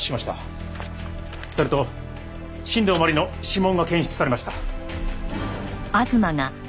それと新道真理の指紋が検出されました。